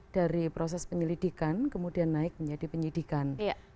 dari proses penyelidikan kemudian naik menjadi penyidikan